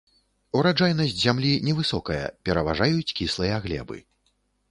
Ураджайнасць зямлі невысокая, пераважаюць кіслыя глебы.